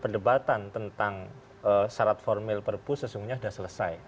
perdebatan tentang syarat formil perpu sesungguhnya sudah selesai